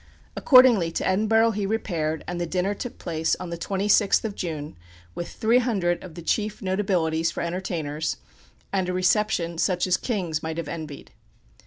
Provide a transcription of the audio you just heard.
Accordingly to Edinburgh he repaired, and the dinner took place on the 26th of June, with three hundred of the chief notabilities for entertainers, and a reception such as kings might have envied.